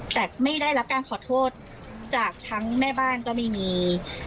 แต่ไม่ได้รับการขอโทษจากทั้งแม่บ้านก็ไม่มี